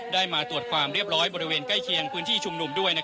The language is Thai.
มาตรวจความเรียบร้อยบริเวณใกล้เคียงพื้นที่ชุมนุมด้วย